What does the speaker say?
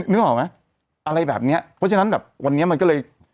นึกออกไหมอะไรแบบเนี้ยเพราะฉะนั้นแบบวันนี้มันก็เลย